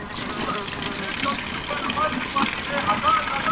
نیمه تنه یې سوځېدلې ده لا شنه پاته ده؛